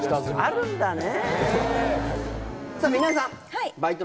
あるんだね。